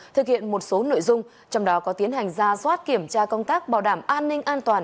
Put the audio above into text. thực hiện một số nội dung trong đó có tiến hành ra soát kiểm tra công tác bảo đảm an ninh an toàn